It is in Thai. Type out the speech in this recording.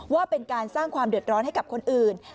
ว่าเป็นการสร้างความเดือดร้อนให้กับคนอื่น